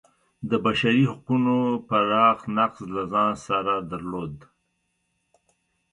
د بشري حقونو پراخ نقض له ځان سره درلود.